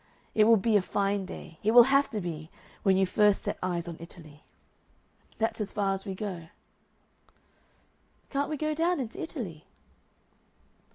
That will be a fine day it will have to be, when first you set eyes on Italy.... That's as far as we go." "Can't we go down into Italy?"